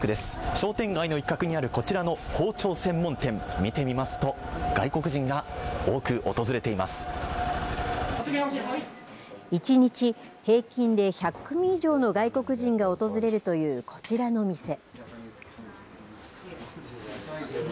商店街の一角にあるこちらの包丁専門店、見てみますと、１日、平均で１００組以上の外国人が訪れるというこちらの店。